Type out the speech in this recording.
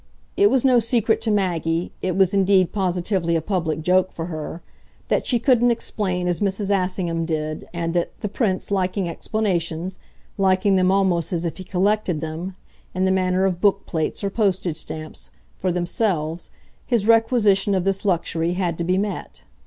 It was no secret to Maggie it was indeed positively a public joke for her that she couldn't explain as Mrs. Assingham did, and that, the Prince liking explanations, liking them almost as if he collected them, in the manner of book plates or postage stamps, for themselves, his requisition of this luxury had to be met.